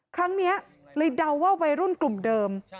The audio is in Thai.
ครั้งนี้เลยเดาว่าวัยรุ่นกลุ่มเดิม